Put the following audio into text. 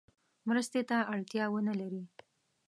مرستې ته اړتیا ونه لري.